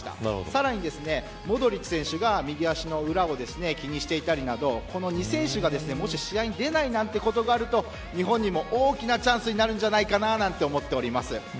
さらにモドリッチ選手が右足の裏を気にしていたりなどこの２選手が、もし試合に出ないなんていうことがあると日本にも大きなチャンスになるんじゃないかなと思っております。